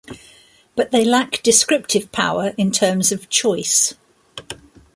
But they lack descriptive power in terms of choice.